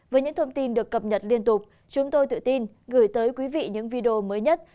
với những thông tin được cập nhật liên tục chúng tôi tự tin gửi tới quý vị những video mới nhất